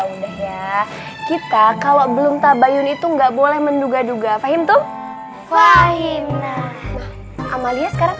udah ya kita kalau belum tabayun itu nggak boleh menduga duga fahim tuh fahim nah amalia sekarang